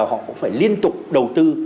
họ cũng phải liên tục đầu tư